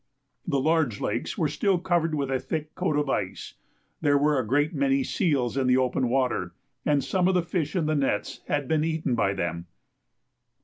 The large lakes were still covered with a thick coat of ice. There were a great many seals in the open water, and some of the fish in the nets had been eaten by them.